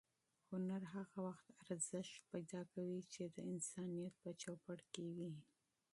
هنر هغه وخت ارزښت پیدا کوي چې د انسانیت په چوپړ کې وي.